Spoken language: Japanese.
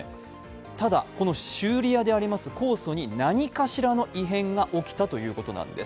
ただ、この修理屋である酵素に何かしらの異変が起きたということなんです。